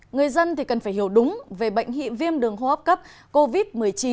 người dân cần phải hiểu đúng về bệnh hị viêm đường hô hấp cấp covid một mươi chín